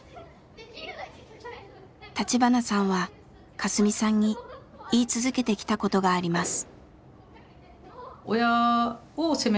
橘さんはカスミさんに言い続けてきたことがあります。